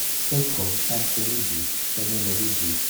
Petro ŝanceliĝis, sed ne moviĝis.